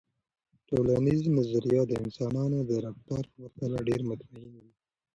ټولنیز نظریات د انسانانو د رفتار په پرتله ډیر مطمئن وي.